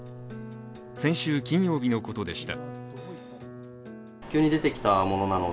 先週金曜日のことでした。